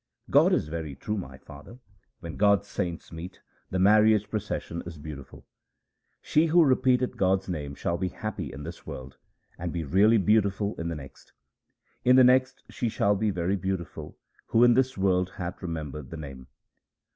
God is very true, my father ; when God's saints meet, the marriage procession is beautiful. She who repeateth God's name shall be happy in this world and be really beautiful in the next : In the next she shall be very beautiful who in this world hath remembered the Name.